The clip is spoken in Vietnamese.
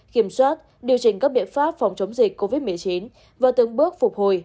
kiểm soát điều chỉnh các biện pháp phòng chống dịch covid một mươi chín và từng bước phục hồi